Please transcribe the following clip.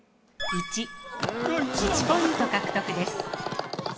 １ポイント獲得です。